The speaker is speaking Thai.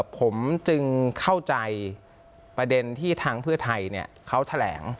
ผมจึงเข้าใจประเด็นที่ทางเพื่อไทยเขาแถลง